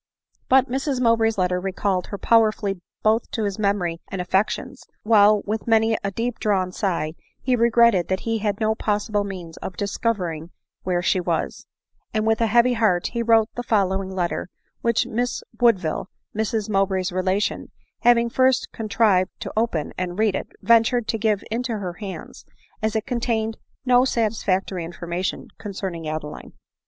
But Mrs Mowbray's letter recalled her powerfully both to his memory and affections, while with many a deep drawn sigh, he regretted that he had no possible means of discovering where she was ; and with a heavy heart he wrote the following letter, which Miss Wood ville, Mrs Mowbray's relation, having first contrived to open, and read it, ventured to give into her hands, as it contained no satisfactory information concerning Adeline.